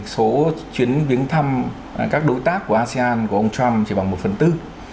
số chuyến viếng thăm các đối tác của asean của ông trump chỉ bằng một phần tư